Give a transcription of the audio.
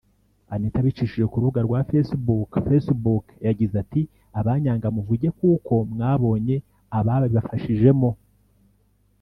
Anita abicishije ku rubuga rwa Facebook Facebook yagize ati”Abanyanga muvuge kuko mwabonye ababibafashijemo